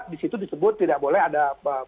di situ disebut tidak boleh ada